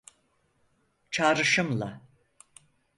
Çağrışımla.